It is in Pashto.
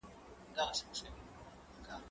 زه به سبا مېوې وچوم؟